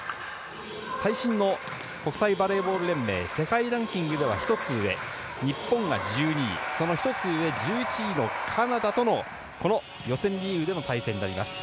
最新の国際バレーボール連盟世界ランキングでは１つ上日本が１２位その１つ上、１１位のカナダとの予選リーグでの対戦になります。